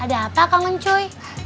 ada apa kangen cuy